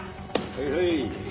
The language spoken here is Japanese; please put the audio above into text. はいはい。